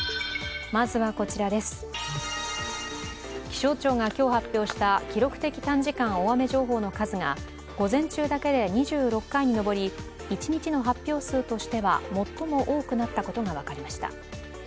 気象庁が今日発表した記録的短時間大雨情報の数が午前中だけで２６回に上り一日の発表数としては最も多くなったことが分かりました。